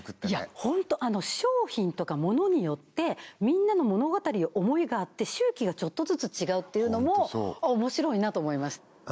いやホント商品とかものによってみんなの物語思いがあって周期がちょっとずつ違うっていうのも面白いなと思いました